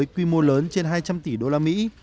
quy mô lớn trên hai trăm linh tỷ đô la mỹ